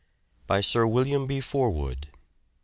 BY SIR WILLIAM B. FORWOOD D.